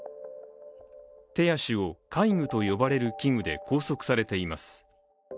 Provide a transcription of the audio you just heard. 手足を戒具と呼ばれる器具で拘束されています。